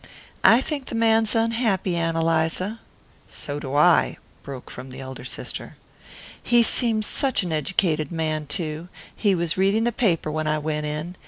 I think the man's unhappy, Ann Eliza." "So do I," broke from the elder sister. "He seems such an educated man, too. He was reading the paper when I went in.